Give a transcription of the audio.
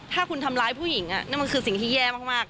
ถ้าคุณทำร้ายผู้หญิงนั่นมันคือสิ่งที่แย่มาก